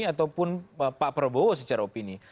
ataupun pak prabowo secara opini